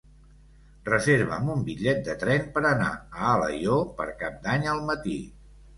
Reserva'm un bitllet de tren per anar a Alaior per Cap d'Any al matí.